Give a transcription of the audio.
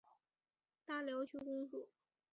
大寮区公所